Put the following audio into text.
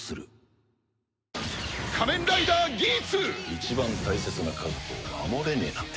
一番大切な家族を守れねえなんて。